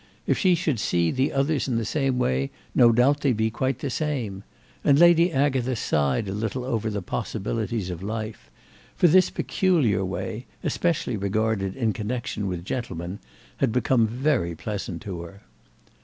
If she should see the others in the same way no doubt they'd be quite the same; and Lady Agatha sighed a little over the possibilities of life; for this peculiar way, especially regarded in connexion with gentlemen, had become very pleasant to her.